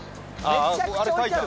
めちゃくちゃ置いてある。